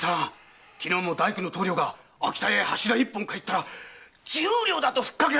昨日も大工の棟梁が秋田屋へ柱一本買いに行ったら十両だと吹っかけられたそうです。